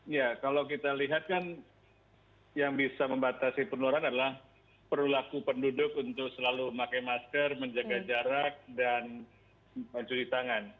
ya kalau kita lihat kan yang bisa membatasi penularan adalah perlu laku penduduk untuk selalu pakai masker menjaga jarak dan mencuci tangan